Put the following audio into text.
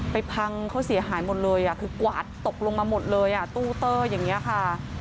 พังเขาเสียหายหมดเลยคือกวาดตกลงมาหมดเลยตู้เตอร์อย่างนี้ค่ะ